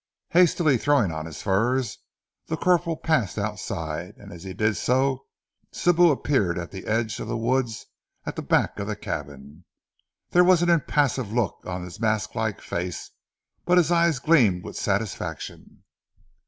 Hastily throwing on his furs, the corporal passed outside, and as he did so, Sibou appeared at the edge of the woods at the back of the cabin. There was an impassive look on his mask like face, but his eyes gleamed with satisfaction.